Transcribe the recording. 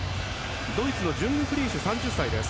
ドイツのジュングフリーシュ３０歳です。